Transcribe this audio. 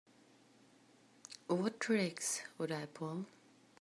What tricks would I pull?